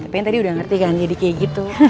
pengen tadi udah ngerti kan jadi kayak gitu